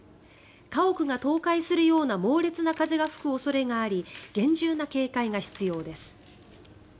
家屋が倒壊するような猛烈な風が吹く恐れがあり厳重な警戒が必要です。